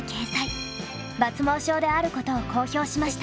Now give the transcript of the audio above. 抜毛症であることを公表しました。